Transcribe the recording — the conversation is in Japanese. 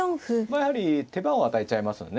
やはり手番を与えちゃいますのでね。